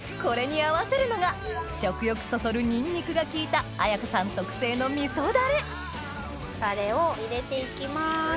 これに合わせるのが食欲そそるニンニクが効いた彩華さん特製の味噌ダレタレを入れて行きます。